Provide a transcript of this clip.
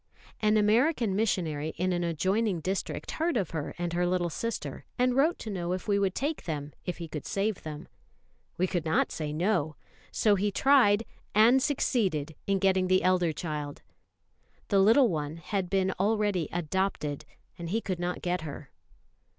An American missionary in an adjoining district heard of her and her little sister, and wrote to know if we would take them if he could save them. We could not say No; so he tried, and succeeded in getting the elder child; the little one had been already "adopted," and he could not get her.